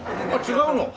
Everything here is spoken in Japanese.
違うの？